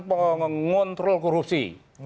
kekuatan pengontrol korupsi